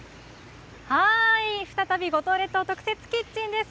再び五島列島特設キッチンです。